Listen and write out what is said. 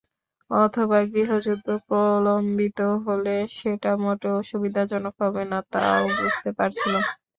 অথবা গৃহযুদ্ধ প্রলম্বিত হলে সেটা মোটেও সুবিধাজনক হবে না, তা-ও বুঝতে পারছিলাম।